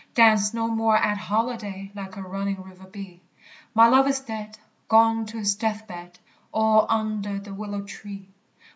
Dance no more at holiday; Like a running river be. _My love is dead, Gone to his death bed, All under the willow tree.